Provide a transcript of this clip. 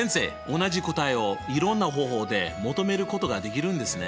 同じ答えをいろんな方法で求めることができるんですね。